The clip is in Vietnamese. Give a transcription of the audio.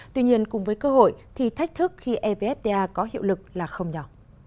tuy nhiên cùng với cơ hội thì thách thức khi evfta có hiệu lực là không nhỏ